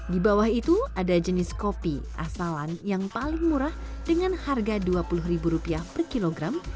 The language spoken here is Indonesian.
di bawah itu ada jenis kopi asalan yang paling murah dengan harga rp dua puluh per kilogram